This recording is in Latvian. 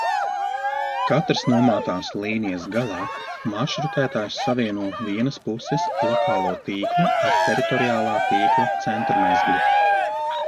Katras nomātās līnijas galā, maršrutētājs savieno vienas puses lokālo tīklu ar teritoriālā tīkla centrmezglu.